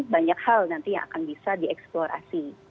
banyak hal nanti yang akan bisa dieksplorasi